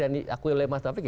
dan aku lulus oleh mas taufik